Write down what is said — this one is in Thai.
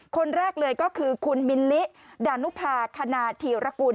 คนแรกเลยก็คือคุณมิลลิดานุภาคณาธีรกุล